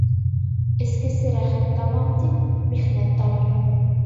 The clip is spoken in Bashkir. Эскесе рәхәт табам, тип, михнәт табыр.